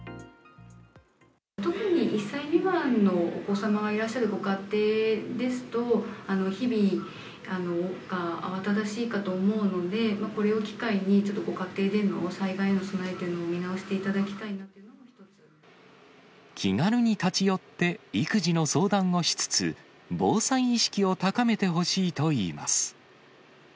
特に１歳未満のお子様がいらっしゃるご家庭ですと、日々、慌ただしいかと思うので、これを機会に、ちょっとご家庭での災害の備えというのを見直していただきたいな気軽に立ち寄って育児の相談をしつつ、防災意識を高めてほしいといいます。